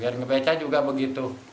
biar ngebeca juga begitu